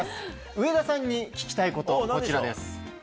上田さんに聞きたいことこちらです。